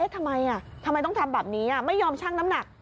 ทำไมทำไมต้องทำแบบนี้ไม่ยอมชั่งน้ำหนัก